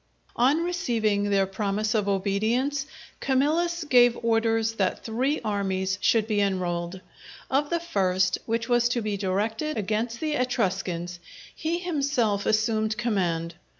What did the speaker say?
_" On receiving their promise of obedience, Camillus gave orders that three armies should be enrolled. Of the first, which was to be directed against the Etruscans, he himself assumed command.